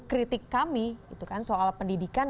kritik kami soal pendidikan